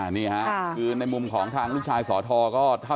พี่ก็ต่อยพ่อผม